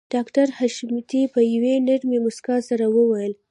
ډاکټر حشمتي په يوې نرۍ مسکا سره وويل